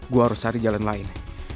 gue harus cari jalan lain